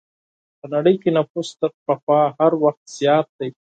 په نړۍ کې نفوس تر پخوا هر وخت زیات دی.